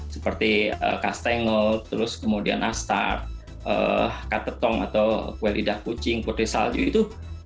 seperti kastengo terus kemudian astar katetong atau kue lidah kucing putri salju itu